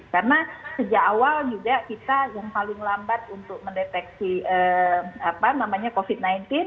karena sejak awal juga kita yang paling lambat untuk mendeteksi covid sembilan belas